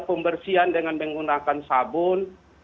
pembersihan dengan menggunakan sabun